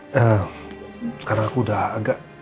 sekarang aku udah agak